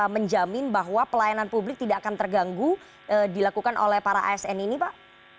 menjamin bahwa pelayanan publik tidak akan terganggu dilakukan oleh para asn ini pak